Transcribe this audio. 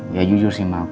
ya jujur sih mak